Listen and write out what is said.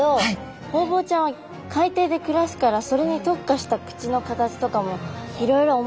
ホウボウちゃんは海底で暮らすからそれに特化した口の形とかもいろいろ面白いんですね。